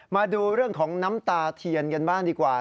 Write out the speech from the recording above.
มาดูเรื่องของน้ำตาเทียนกันบ้างดีกว่า